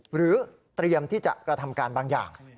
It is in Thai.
หรือเตรียมที่จะกระทำการบางอย่าง